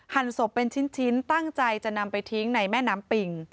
ศพเป็นชิ้นตั้งใจจะนำไปทิ้งในแม่น้ำปิง